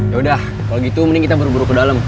ya udah kalau gitu mending kita buru buru ke dalam